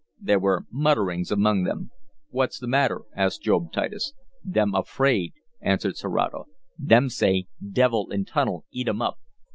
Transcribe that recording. There were mutterings among them. "What's the matter?" asked Job Titus. "Them afraid," answered Serato. "Them say devil in tunnel eat um up!